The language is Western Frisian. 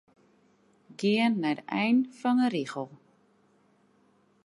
Gean nei de ein fan 'e rigel.